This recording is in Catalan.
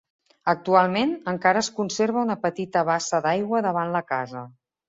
Actualment encara es conserva una petita bassa d'aigua davant la casa.